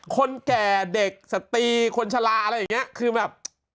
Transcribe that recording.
คนแก่เด็กสตรีคนชะลาอะไรอย่างนี้คือแบบ